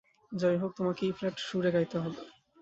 যাইহোক, তোমাকে ই-ফ্ল্যাট সুরে গাইতে হবে।